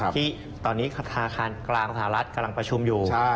ที่ตอนนี้กรางสหรัฐกำลังประชุมอยู่